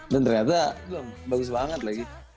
dan ternyata bagus banget lagi